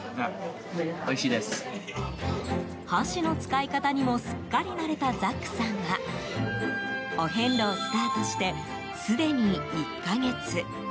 箸の使い方にもすっかり慣れたザックさんはお遍路をスタートしてすでに１か月。